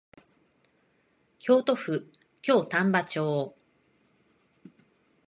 京都府京丹波町